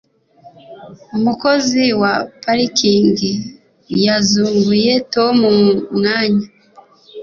Umukozi wa parikingi yazunguye Tom mu mwanya.